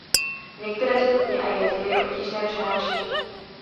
Některé stupně a jezy je obtížné přenášet.